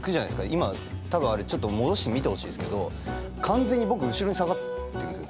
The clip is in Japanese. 今多分あれちょっと戻して見てほしいですけど完全に僕後ろに下がってくんですよ。